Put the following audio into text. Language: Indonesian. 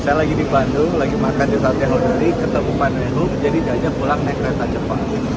saya lagi di bandung lagi makan di sate hondari ketemu pandu jadi diajak pulang naik kereta cepat